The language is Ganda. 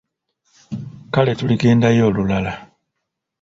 Kale tuligendayo olulala.